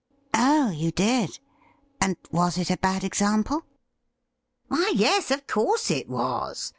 ''' Oh, you did ; and was it a bad example ?'' Why, yes, of course it was.